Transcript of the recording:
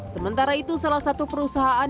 sementara itu salah satu perusahaan